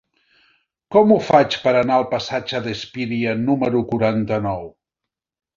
Com ho faig per anar al passatge d'Espíria número quaranta-nou?